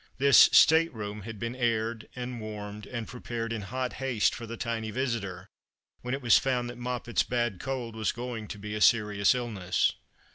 This state room had been aired and warmed and prepared in hot haste for the tiny visitor, when it was found that Moppet's bad cold was going to be a serious illness.